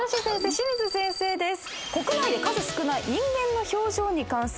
清水建二先生です。